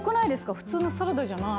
普通のサラダじゃない。